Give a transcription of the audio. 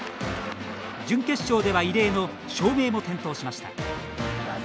準決勝では異例の照明も点灯しました。